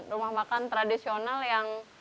rumah makan tradisional yang